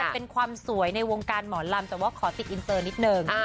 เป็นความสวยในวงการหมอลำแต่ว่าขอติดอินเตอร์นิดนึง